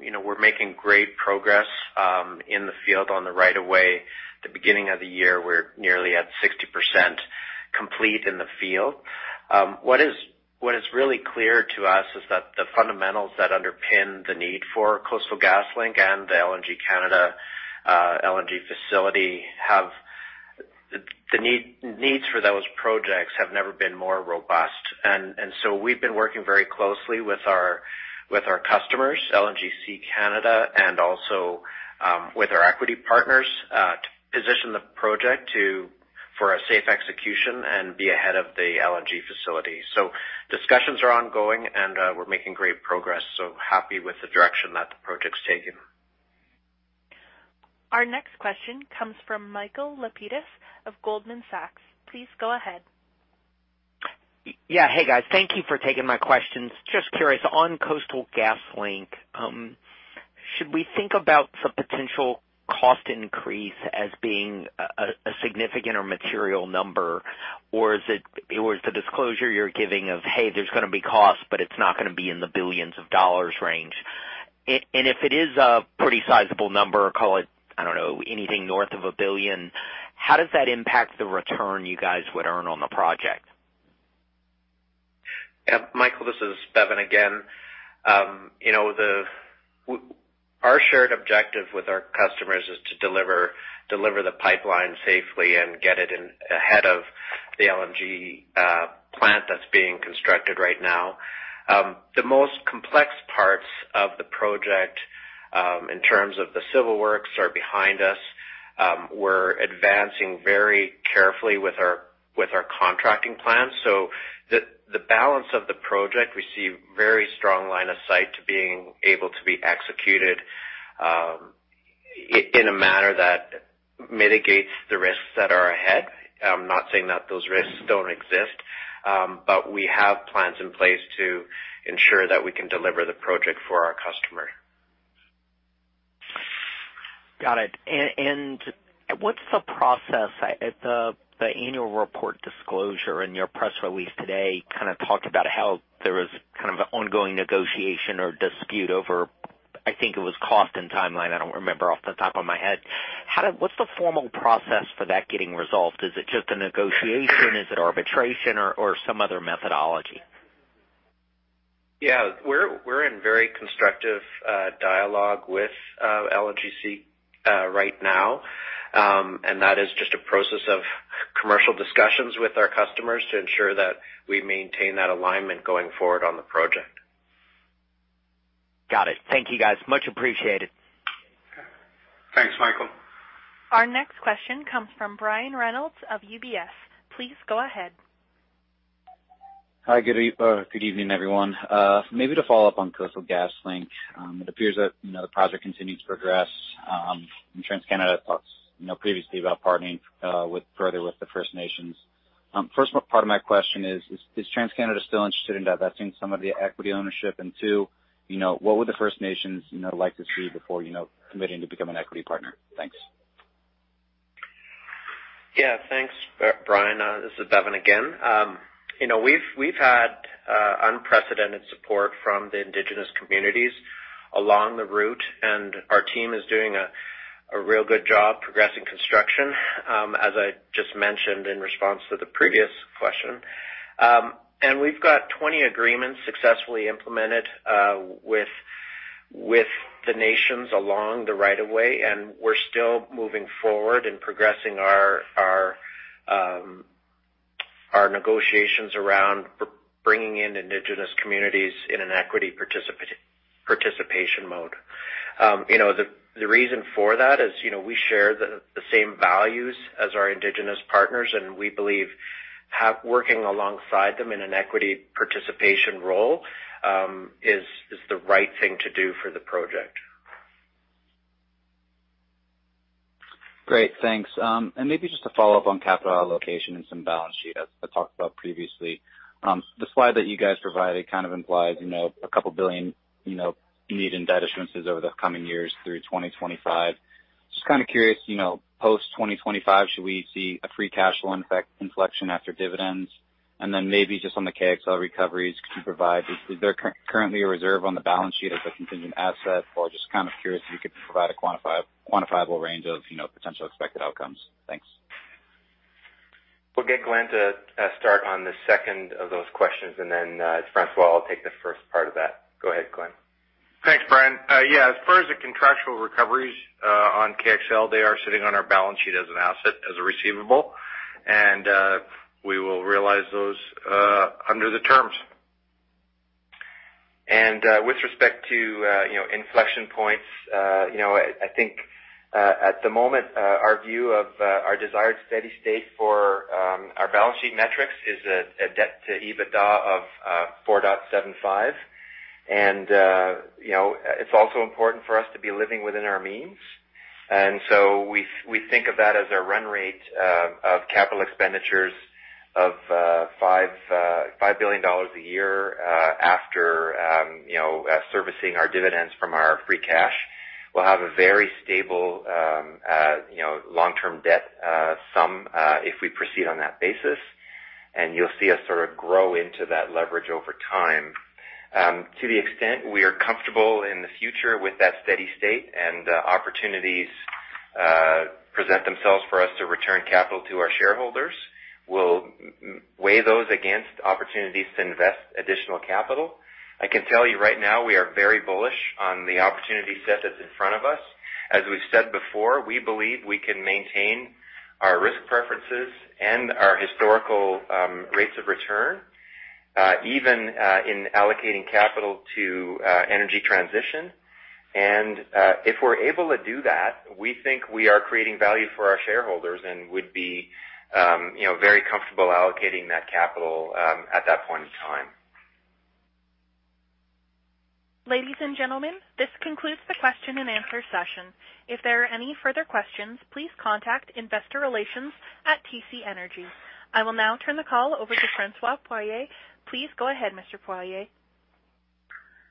You know, we're making great progress in the field on the right of way. At the beginning of the year, we're nearly at 60% complete in the field. What is really clear to us is that the fundamentals that underpin the need for Coastal GasLink and the LNG Canada, LNG facility have never been more robust. The need for those projects has never been more robust. We've been working very closely with our customers, LNG Canada, and also with our equity partners to position the project for a safe execution and be ahead of the LNG facility. Discussions are ongoing and we're making great progress. Happy with the direction that the project's taken. Our next question comes from Michael Lapides of Goldman Sachs. Please go ahead. Yeah. Hey, guys. Thank you for taking my questions. Just curious, on Coastal GasLink, should we think about the potential cost increase as being a significant or material number? Or is the disclosure you're giving of, "Hey, there's gonna be costs, but it's not gonna be in the $ billions range." And if it is a pretty sizable number, call it, I don't know, anything north of $1 billion, how does that impact the return you guys would earn on the project? Yeah, Michael, this is Bevin again. You know, our shared objective with our customers is to deliver the pipeline safely and get it in ahead of the LNG plant that's being constructed right now. The most complex parts of the project in terms of the civil works are behind us. We're advancing very carefully with our contracting plans. The balance of the project has very strong line of sight to being able to be executed in a manner that mitigates the risks that are ahead. I'm not saying that those risks don't exist, but we have plans in place to ensure that we can deliver the project for our customer. Got it. What's the process? The annual report disclosure in your press release today kind of talked about how there was kind of an ongoing negotiation or dispute over, I think it was cost and timeline. I don't remember off the top of my head. What's the formal process for that getting resolved? Is it just a negotiation? Is it arbitration or some other methodology? Yeah. We're in very constructive dialogue with LNG Canada right now. That is just a process of commercial discussions with our customers to ensure that we maintain that alignment going forward on the project. Got it. Thank you, guys. Much appreciated. Thanks, Michael. Our next question comes from Brandon Reynolds of UBS. Please go ahead. Hi. Good evening, everyone. Maybe to follow up on Coastal GasLink. It appears that, you know, the project continues to progress, and TransCanada talked, you know, previously about partnering further with the First Nations. First part of my question is TransCanada still interested in divesting some of the equity ownership? Two, you know, what would the First Nations, you know, like to see before, you know, committing to become an equity partner? Thanks. Yeah, thanks, Brian. This is Bevin again. You know, we've had unprecedented support from the indigenous communities along the route, and our team is doing a real good job progressing construction, as I just mentioned in response to the previous question. We've got 20 agreements successfully implemented with the nations along the right of way, and we're still moving forward and progressing our negotiations around bringing in indigenous communities in an equity participation mode. You know, the reason for that is, you know, we share the same values as our indigenous partners, and we believe having working alongside them in an equity participation role is the right thing to do for the project. Great. Thanks. Maybe just to follow up on capital allocation and some balance sheet as I talked about previously. The slide that you guys provided kind of implies, you know, 2 billion, you know, needed in debt issuances over the coming years through 2025. Just kind of curious, you know, post 2025, should we see a free cash flow inflection after dividends? And then maybe just on the KXL recoveries, can you provide, is there currently a reserve on the balance sheet as a contingent asset? Or just kind of curious if you could provide a quantifiable range of, you know, potential expected outcomes. Thanks. We'll get Glenn to start on the second of those questions, and then François will take the first part of that. Go ahead, Glenn. Thanks, Brian. Yeah, as far as the contractual recoveries on KXL, they are sitting on our balance sheet as an asset, as a receivable, and we will realize those under the terms. With respect to, you know, inflection points, you know, I think, at the moment, our view of our desired steady state for our balance sheet metrics is a debt-to-EBITDA of 4.75. You know, it's also important for us to be living within our means. We think of that as a run rate of capital expenditures of 5 billion dollars a year, after, you know, servicing our dividends from our free cash. We'll have a very stable, you know, long-term debt sum, if we proceed on that basis, and you'll see us sort of grow into that leverage over time. To the extent we are comfortable in the future with that steady state and opportunities. Present themselves for us to return capital to our shareholders. We'll weigh those against opportunities to invest additional capital. I can tell you right now, we are very bullish on the opportunity set that's in front of us. As we've said before, we believe we can maintain our risk preferences and our historical rates of return even in allocating capital to energy transition. If we're able to do that, we think we are creating value for our shareholders and would be, you know, very comfortable allocating that capital at that point in time. Ladies and gentlemen, this concludes the question-and-answer session. If there are any further questions, please contact Investor Relations at TC Energy. I will now turn the call over to François Poirier. Please go ahead, Mr. Poirier. Thank you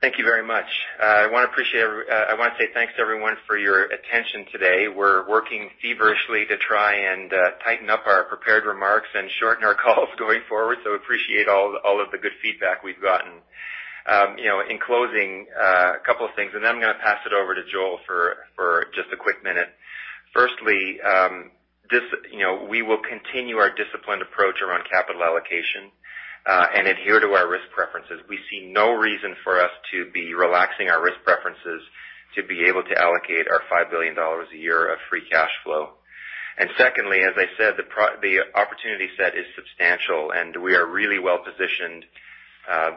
very much. I wanna say thanks to everyone for your attention today. We're working feverishly to try and tighten up our prepared remarks and shorten our calls going forward. Appreciate all of the good feedback we've gotten. You know, in closing, a couple of things, and then I'm gonna pass it over to Joel for just a quick minute. Firstly, you know, we will continue our disciplined approach around capital allocation, and adhere to our risk preferences. We see no reason for us to be relaxing our risk preferences to be able to allocate our 5 billion dollars a year of free cash flow. Secondly, as I said, the opportunity set is substantial, and we are really well-positioned.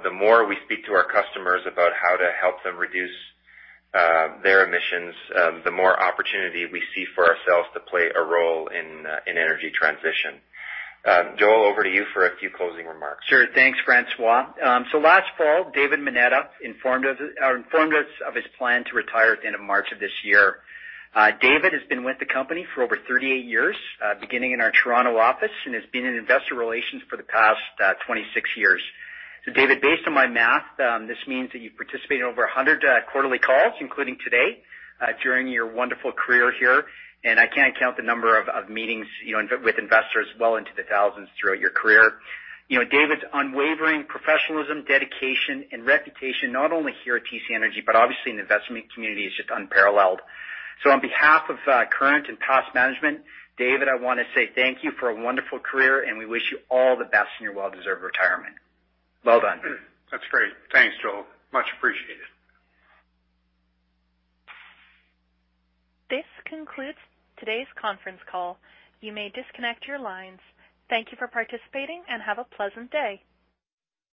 The more we speak to our customers about how to help them reduce their emissions, the more opportunity we see for ourselves to play a role in energy transition. Joel, over to you for a few closing remarks. Sure. Thanks, François. Last fall, David Moneta informed us of his plan to retire at the end of March of this year. David has been with the company for over 38 years, beginning in our Toronto office and has been in investor relations for the past 26 years. David, based on my math, this means that you've participated in over 100 quarterly calls, including today, during your wonderful career here, and I can't count the number of meetings, you know, with investors well into the thousands throughout your career. You know, David's unwavering professionalism, dedication, and reputation, not only here at TC Energy, but obviously in the investment community, is just unparalleled. On behalf of current and past management, David, I wanna say thank you for a wonderful career, and we wish you all the best in your well-deserved retirement. Well done. That's great. Thanks, Joel. Much appreciated. This concludes today's conference call. You may disconnect your lines. Thank you for participating, and have a pleasant day.